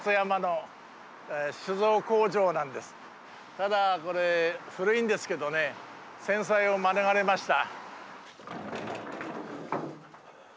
ただこれ古いんですけどね戦災を免れました。